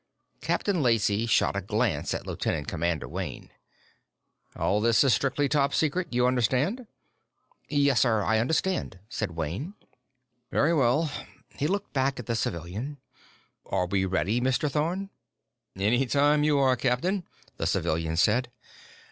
Captain Lacey shot a glance at Lieutenant Commander Wayne. "All this is strictly Top Secret you understand." "Yes, sir; I understand," said Wayne. "Very well." He looked back at the civilian. "Are we ready, Mr. Thorn?" "Anytime you are, captain," the civilian said.